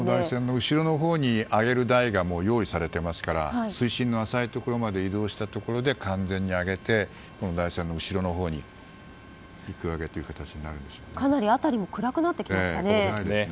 後ろのほうに上げる台が用意されていますから水深の浅いところまで移動したところで完全に上げて台船の後ろのほうに辺りも暗くなってきましたね。